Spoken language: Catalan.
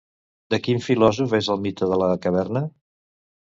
De quin filòsof és el mite de la caverna?